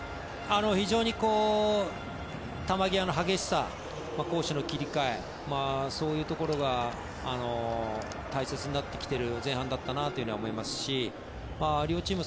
非常に球際の激しさ攻守の切り替えそういうところが大切になってきている前半だったなとは思いますし両チーム